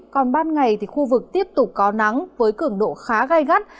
còn ban ngày thì khu vực tiếp tục có nắng với cường độ khá gai gắt